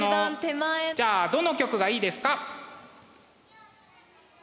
じゃあどの曲がいいですか？